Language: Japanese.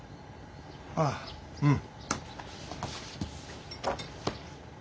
ああうん。